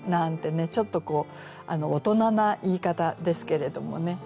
ちょっと大人な言い方ですけれどもね